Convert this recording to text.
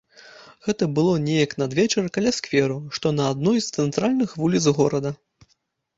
Гэта было неяк надвечар каля скверу, што на адной з цэнтральных вуліц горада.